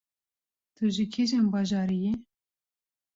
Tu ji kîjan bajarî yî?